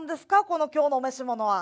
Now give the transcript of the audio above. この今日のお召し物は。